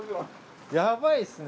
やばいっすね！